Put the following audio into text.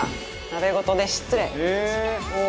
鍋ごとで失礼。